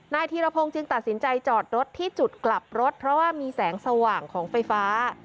ธีรพงศ์จึงตัดสินใจจอดรถที่จุดกลับรถเพราะว่ามีแสงสว่างของไฟฟ้า